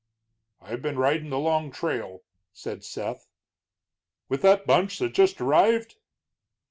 "I've been ridin' the long trail," said Seth. "With that bunch that just arrived?"